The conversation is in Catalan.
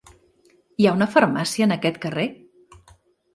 Hi ha una farmàcia en aquest carrer?